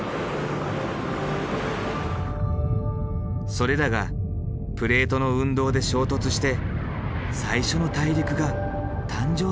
それらがプレートの運動で衝突して最初の大陸が誕生したのではないか。